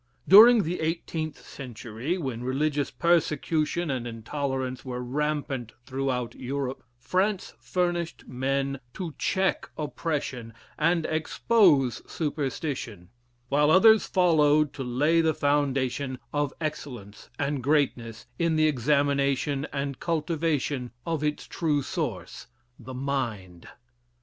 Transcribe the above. During the eighteenth century, when religious persecution and intolerance were rampant throughout Europe, France furnished men to check oppression and expose superstition, while others followed to lay the foundation of excellence and greatness in the examination and cultivation of its true source the mind.